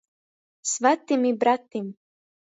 Svatim i bratim.